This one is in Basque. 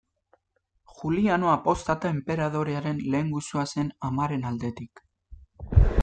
Juliano Apostata enperadorearen lehengusua zen amaren aldetik.